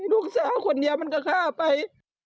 ลูกสาวคนเดียวมันก็ฆ่าไป